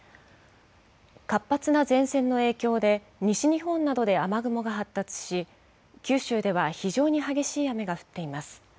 活発な前線の影響で西日本などで雨雲が発達し、九州では非常に激しい雨が降っています。